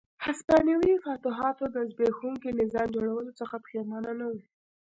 هسپانوي فاتحانو د زبېښونکي نظام جوړولو څخه پښېمانه نه وو.